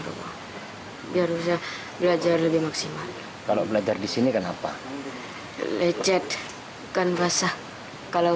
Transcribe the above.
rumah biar bisa belajar lebih maksimal kalau belajar di sini kenapa lecet kan basah kalau